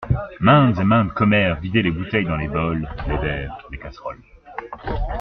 Maintes et maintes commères vidaient les bouteilles dans les bols, les verres, les casseroles.